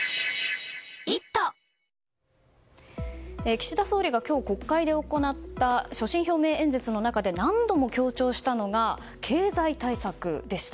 岸田総理が今日、国会で行った所信表明演説の中で何度も強調したのが経済対策でした。